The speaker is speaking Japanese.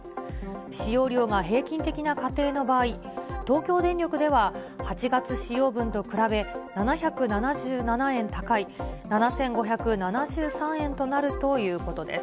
使用量が平均的な家庭の場合、東京電力では８月使用分と比べ７７７円高い、７５７３円となるということです。